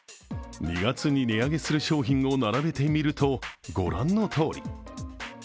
２月に値上げする商品を並べてみると、ご覧の通り。